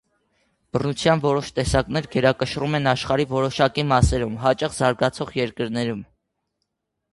Բռնության որոշ տեսակներ գերակշռում են աշխարհի որոշակի մասերում՝ հաճախ զարգացող երկրներում։